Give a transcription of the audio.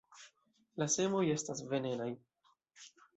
La semoj estas venenaj.